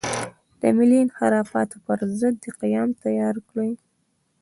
د ملي انحرافاتو پر ضد دې قیام تیاره کړي.